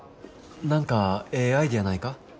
何かええアイデアないか？